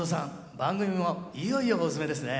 番組もいよいよ大詰めですね。